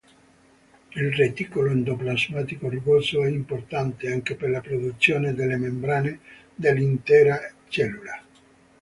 Il reticolo endoplasmatico rugoso è importante anche per la produzione delle membrane dell'intera cellula.